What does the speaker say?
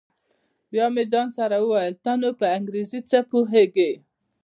بيا مې ځان سره وويل ته نو په انګريزۍ څه پوهېږې.